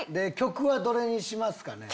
曲はどれにしますか？